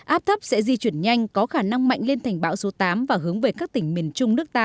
áp thấp sẽ di chuyển nhanh có khả năng mạnh lên thành bão số tám và hướng về các tỉnh miền trung nước ta